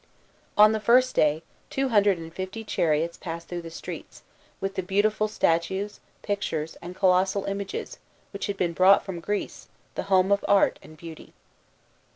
On the first day two hundred and fifty chariots passed through the streets, with the beautiful statues, ^pictures, and colossal images, which had been brought from Greece, the home of art and beauty.